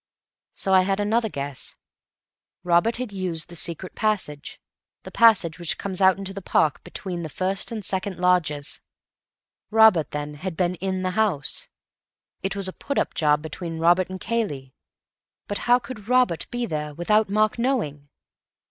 So I had another guess. Robert had used the secret passage—the passage which comes out into the park between the first and second lodges. Robert, then, had been in the house; it was a put up job between Robert and Cayley. But how could Robert be there without Mark knowing?